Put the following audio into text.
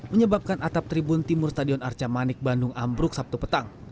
menyebabkan atap tribun timur stadion arca manik bandung ambruk sabtu petang